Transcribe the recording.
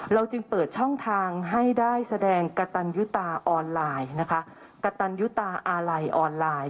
จึงเปิดช่องทางให้ได้แสดงกระตันยุตาออนไลน์นะคะกระตันยุตาอาลัยออนไลน์